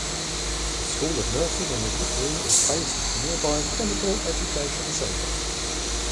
The School of Nursing and Midwifery is based at the nearby Clinical Education Centre.